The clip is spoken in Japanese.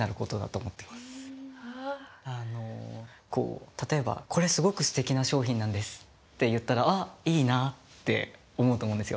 あのこう例えば「これすごくすてきな商品なんです」って言ったら「あいいな」って思うと思うんですよ。